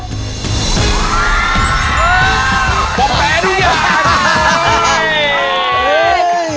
ผมแพ้ทุกอย่าง